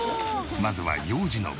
まずは幼児の部